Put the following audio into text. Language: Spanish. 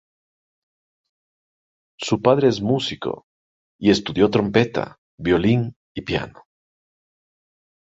Su padre es músico, y estudió trompeta, violín y piano.